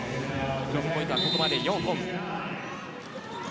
ブロックポイントはここまで４本。